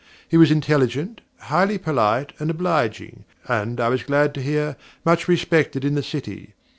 He was intelligent, highly polite, and obliging, and (I was glad to hear) much respected in the City.